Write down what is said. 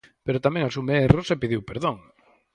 Pero tamén asume erros e pediu perdón.